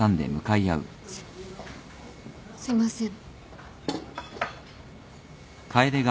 すいません。